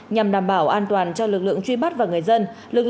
nhằm đảm bảo an toàn cho lực lượng truy bắt và người dân